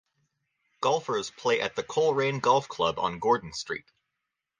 Golfers play at the Coleraine Golf Club on Gordon Street.